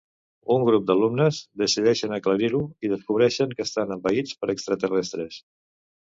Un grup d'alumnes decideixen aclarir-ho i descobreixen que estan envaïts per extraterrestres.